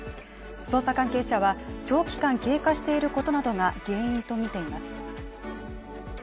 捜査関係者は長期間経過していることなどが原因とみています。